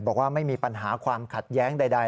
บอกว่าไม่มีปัญหาความขัดแย้งใด